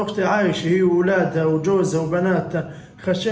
kami berpikir waktu dia hidup anak anaknya suami suami anak anaknya